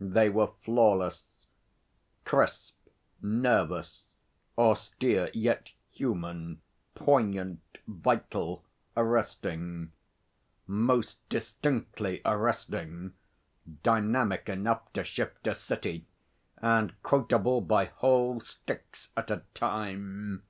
They were flawless crisp, nervous, austere yet human, poignant, vital, arresting most distinctly arresting dynamic enough to shift a city and quotable by whole sticks at a time.